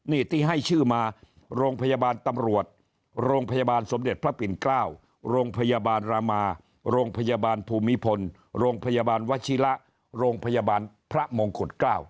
นี่ที่ให้ชื่อมาโรงพยาบาลตำรวจโรงพยาบาลสมเด็จพระปิ่นเกล้าโรงพยาบาลรามาโรงพยาบาลภูมิพลโรงพยาบาลวชิระโรงพยาบาลพระมงกุฎ๙